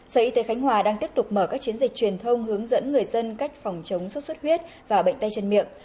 sở y tế khánh hòa đang tiếp tục mở các chiến dịch truyền thông hướng dẫn người dân cách phòng chống xuất xuất huyết và bệnh tay chân miệng